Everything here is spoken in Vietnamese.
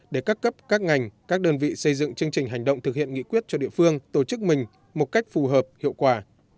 để các cấp các ngành các đơn vị xây dựng chương trình hành động thực hiện nghị quyết cho địa phương tổ chức mình một cách phù hợp hiệu quả